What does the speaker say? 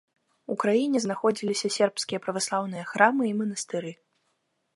У краіне знаходзіліся сербскія праваслаўныя храмы і манастыры.